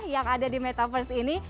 yang ada di metaverse ini